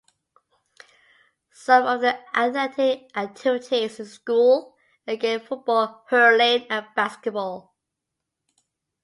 Some of the athletic activities in the school are Gaelic football, hurling and basketball.